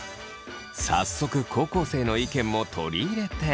早速高校生の意見も取り入れて。